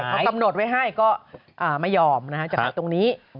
เขาตำนดไว้ให้ก็ไม่ยอมนะครับจะขายตรงนี้